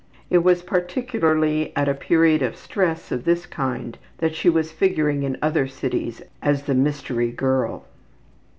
It was particularly at a period of stress of this kind that she was figuring in other cities as the ``mystery girl.''